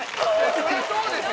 そりゃそうですよ。